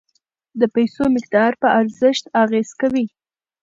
د پیسو مقدار په ارزښت اغیز کوي.